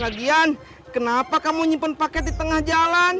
lagihan kenapa kamu nyimpen paket di tengah jalan